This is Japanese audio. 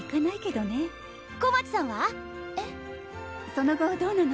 その後どうなの？